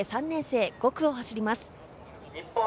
３年生、５区を走ります。